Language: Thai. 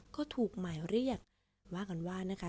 ก็ถูกหมายเรียกว่ากันว่านะคะ